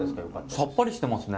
さっぱりしてますね。